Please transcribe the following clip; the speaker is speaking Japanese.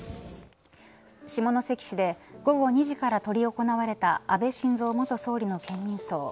下関市で午後２時からとり行われた安倍晋三元総理の県民葬。